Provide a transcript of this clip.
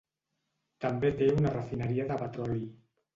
També té una refineria de petroli.